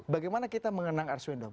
bagaimana kita mengenang ars wendel